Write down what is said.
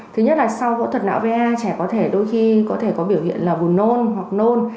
thứ nhất là sau phẫu thuật não va trẻ có thể đôi khi có thể có biểu hiện là vùng nôn hoặc nôn